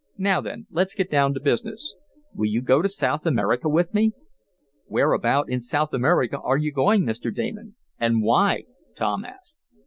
Now then, let's get down to business. Will you go to South America with me?" "Whereabout in South America are you going, Mr. Damon, and why?" Tom asked.